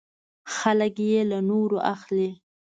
خلک یې له نورو اخلي .